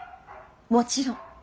もちろん。